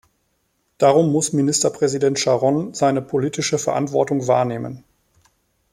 Darum muss Ministerpräsident Sharon seine politische Verantwortung wahrnehmen.